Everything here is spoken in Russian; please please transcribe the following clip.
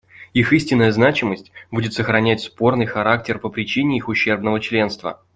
Их истинная значимость будет сохранять спорный характер по причине их ущербного членства.